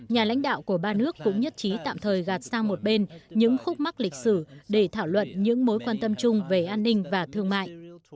nhà lãnh đạo của ba nước cũng nhất trí tạm thời gạt sang một bên những khúc mắt lịch sử để thảo luận những mối quan tâm chung về an ninh và thương mại